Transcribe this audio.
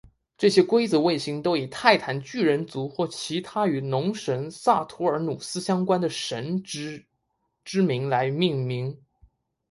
这些规则卫星都以泰坦巨人族或其他与农神萨图尔努斯相关的神只之名来命名。